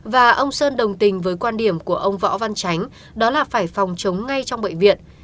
và ông sơn đồng tình với quan điểm của ông võ văn chánh đó là phải phòng chống ngay trong bệnh viện